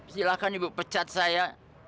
silahkan ibu pecat saya